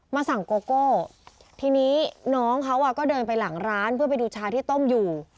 สั่งโกโก้ทีนี้น้องเขาก็เดินไปหลังร้านเพื่อไปดูชาที่ต้มอยู่